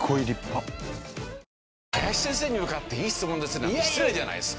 林先生に向かって「いい質問ですね」なんて失礼じゃないですか。